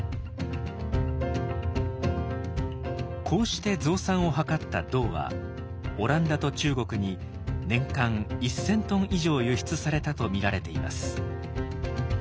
こうして増産を図った銅はオランダと中国に年間１，０００トン以上輸出されたと見られています。